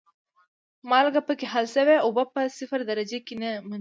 مالګه پکې حل شوې اوبه په صفر درجه کې نه منجمد کیږي.